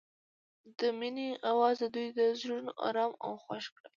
د مینه اواز د دوی زړونه ارامه او خوښ کړل.